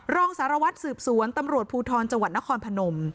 รองสารวัฒน์สืบสวนตำรวจานนครพนม